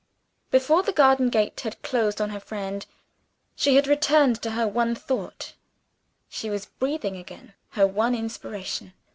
Before the garden gate had closed on her friend she had returned to her one thought, she was breathing again her one aspiration.